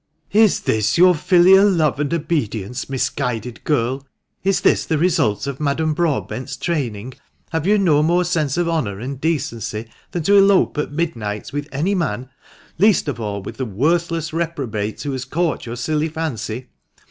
" Is this your filial love and obedience, misguided girl ? Is this the result of Madame Broadbent's training ? Have you no more sense of honour and decency than to elope at midnight with any man, least of all with the worthless reprobate who has caught your silly fancy